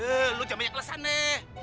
eh lu jangan banyak lesan nih